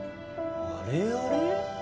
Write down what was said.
あれあれ？